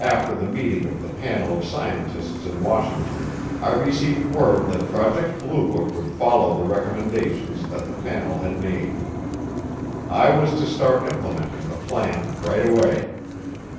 Two or three weeks after the meeting of the panel of scientists in Washington I received word that Project Blue Book would follow the recommendations that the panel had made. I was to start implementing the plan right away.